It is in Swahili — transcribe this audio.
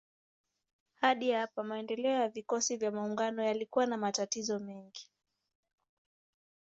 Hadi hapa maendeleo ya vikosi vya maungano yalikuwa na matatizo mengi.